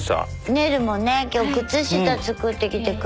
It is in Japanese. ねるもね今日靴下作ってきてくれて。